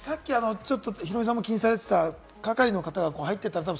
さっきヒロミさんも気にされていた係りの方が入っていた。